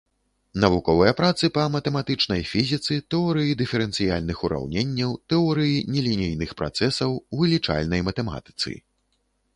Навуковыя працы па матэматычнай фізіцы, тэорыі дыферэнцыяльных ураўненняў, тэорыі нелінейных працэсаў, вылічальнай матэматыцы.